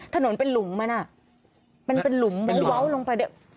ถนนเป็นหลุมมันอ่ะมันเป็นหลุมเว้าลงไปด้วย